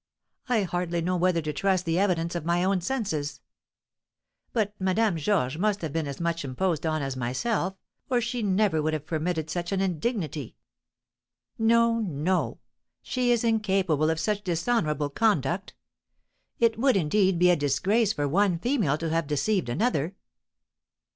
I hardly know whether to trust the evidence of my own senses. But Madame Georges must have been as much imposed on as myself, or she never would have permitted such an indignity! No, no! She is incapable of such dishonourable conduct. It would, indeed, be a disgrace for one female so to have deceived another."